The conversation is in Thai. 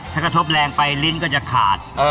ถ้ากระทบแรงไปลิ้นก็จะขาด